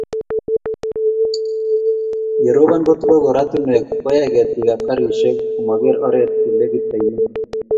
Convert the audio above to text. Ye ropon kotubok oratinwek koyai ketikab garisiek komaker oret ye lekit ainet.